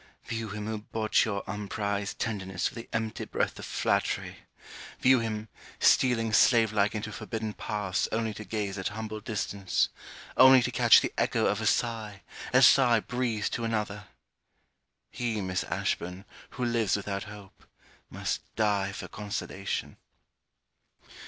View him who bought your unprized tenderness with the empty breath of flattery, view him, stealing slave like into forbidden paths only to gaze at humble distance, only to catch the echo of a sigh, a sigh breathed to another! He, Miss Ashburn, who lives without hope must die for consolation.